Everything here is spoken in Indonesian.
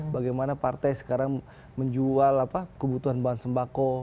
bagaimana partai sekarang menjual kebutuhan bahan sembako